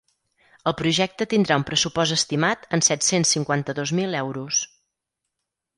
El projecte tindrà un pressupost estimat en set-cents cinquanta-dos mil euros.